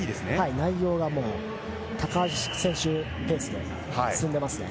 内容が高橋選手ペースで進んでいますね。